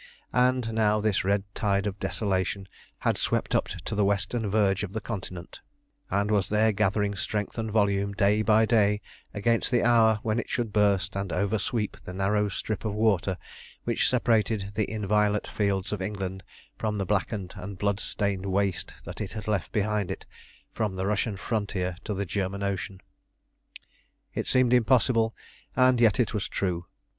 And now this red tide of desolation had swept up to the western verge of the Continent, and was there gathering strength and volume day by day against the hour when it should burst and oversweep the narrow strip of water which separated the inviolate fields of England from the blackened and blood stained waste that it had left behind it from the Russian frontier to the German Ocean. It seemed impossible, and yet it was true.